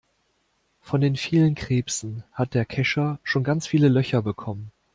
Von den vielen Krebsen hat der Kescher schon ganz viele Löcher bekommen.